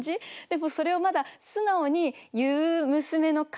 でもそれをまだ素直に言う娘のかわいらしさ。